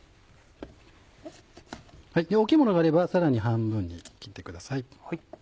大きいものがあればさらに半分に切ってください。